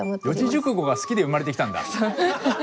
四字熟語が好きで生まれてきたんだ！